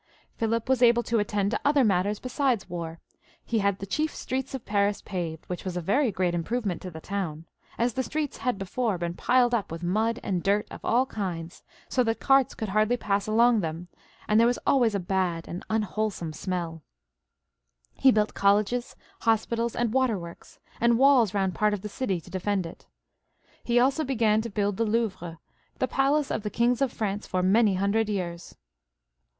Philip was able to attend to other matters besides war. He had the chief streets of Paris paved, which was a very great improvement to the town, as the streets had before been piled up with mud and dirt of all kinds, so that carts could hardly pass along them, and there was always a bad and unwholesome smelL He built colleges, hospitals, and waterworks, and walls round part of the city to defend it. 94 PHILIP IL {AUGUSTE). [CH. He also began to build the Louvre, the palace of the kings of France for many hundred years.